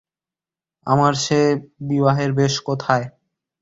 আমার সে বিবাহের বেশ কোথায়।